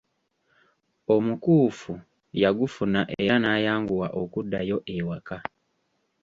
Omukuufu yagufuna era n'ayanguwa okuddayo ewaka.